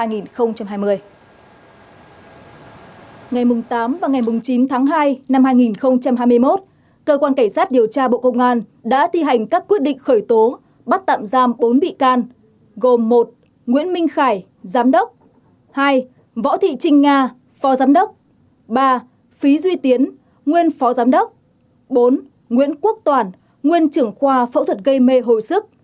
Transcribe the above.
ngày tám và ngày chín tháng hai năm hai nghìn hai mươi một cơ quan cảnh sát điều tra bộ công an đã thi hành các quyết định khởi tố bắt tạm giam bốn bị can gồm một nguyễn minh khải giám đốc hai võ thị trinh nga phó giám đốc ba phí duy tiến nguyên phó giám đốc bốn nguyễn quốc toàn nguyên trưởng khoa phẫu thuật gây mê hồi sức